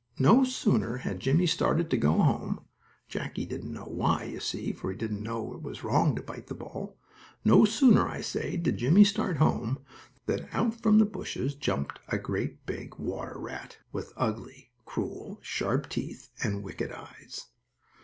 No sooner had Jimmie started to go home Jackie didn't know why, you see, for he didn't know it was wrong to bite the ball no sooner, I say, did Jimmie start home, than out from the bushes jumped a great big water rat, with ugly, cruel, sharp teeth and wicked eyes.